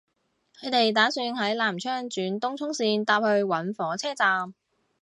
佢哋打算喺南昌轉東涌綫搭去搵火車站